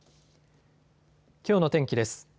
きょうの天気です。